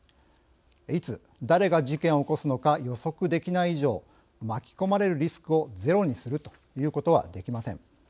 いつ誰が事件を起こすのか予測できない以上巻き込まれるリスクをゼロにするということはできません。